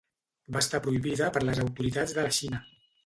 Va estar prohibida per les autoritats de la Xina.